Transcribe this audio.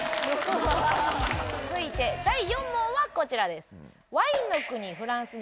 続いて第４問はこちらです。